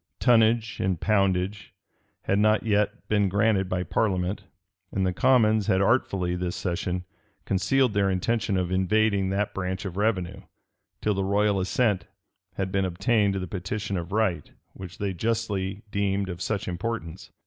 Tonnage and poundage had not yet been granted by parliament; and the commons had artfully, this session, concealed their intention of invading that branch of revenue, till the royal assent had been obtained to the petition of right, which they justly deemed of such importance.